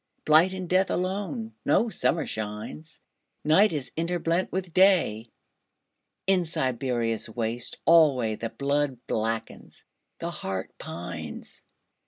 Blight and death alone.No summer shines. Night is interblent with Day.In Siberia's wastes alwayThe blood blackens, the heart pines.